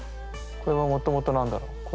これはもともと何だろう？